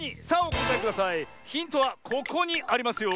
ヒントはここにありますよ。